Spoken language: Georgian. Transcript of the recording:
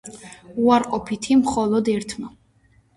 უარყოფითი მხოლოდ ერთმა.